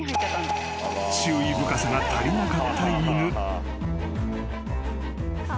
［注意深さが足りなかった犬］